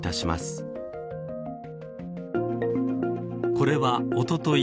これは、おととい